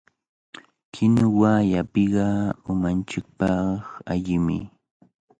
Kinuwa llapiqa umanchikpaq allimi.